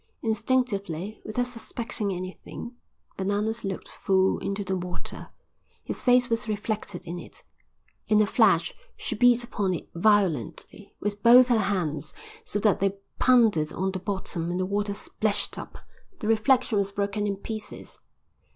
Instinctively, without suspecting anything, Bananas looked full into the water. His face was reflected in it. In a flash she beat upon it violently, with both her hands, so that they pounded on the bottom and the water splashed up. The reflection was broken in pieces.